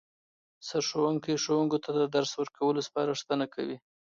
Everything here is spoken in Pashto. سرښوونکی ښوونکو ته د درس ورکولو سپارښتنه کوي